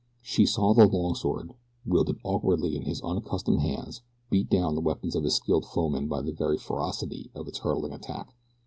She saw the long sword, wielded awkwardly in his unaccustomed hands, beat down the weapons of his skilled foemen by the very ferocity of its hurtling attack.